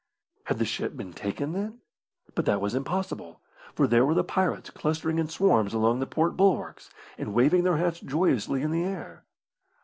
Had the ship been taken, then? But that was impossible, for there were the pirates clustering in swarms along the port bulwarks, and waving their hats joyously in the air.